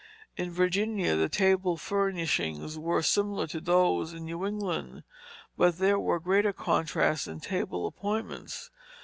In Virginia the table furnishings were similar to those in New England; but there were greater contrasts in table appointments.